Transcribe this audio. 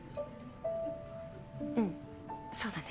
うんそうだね。